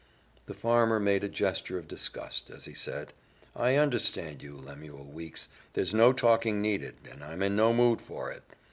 The farmer made a gesture of disgust as he said, "I understand you, Lemuel Weeks. There's no talking needed and I'm in no mood for it.